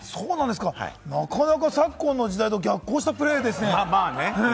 なかなか昨今の時代と逆行したプレーですね。